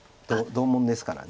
同門ですから。